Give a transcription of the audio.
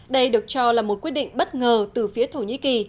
đây được cho là một quyết định bất ngờ từ phía thổ nhĩ kỳ